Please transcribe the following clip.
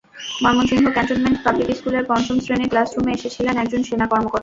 Mymensingh cantonment public স্কুলের পঞ্চম শ্রেণির ক্লাসরুমে এসেছিলেন একজন সেনা কর্মকর্তা।